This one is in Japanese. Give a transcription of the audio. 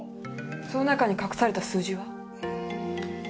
その中に隠された数字は？